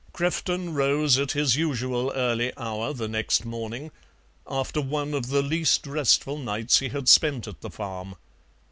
Crefton rose at his usual early hour the next morning, after one of the least restful nights he had spent at the farm.